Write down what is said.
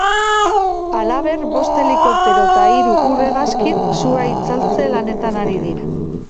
Halaber, bost helikoptero eta hiru ur-hegazkin sua itzaltze lanetan ari dira.